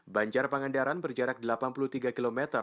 banjar pangandaran berjarak delapan puluh tiga km